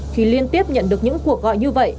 thì liên tiếp nhận được những cuộc gọi như vậy